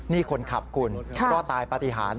นี่คนขับคุณรอดตายปฏิหาร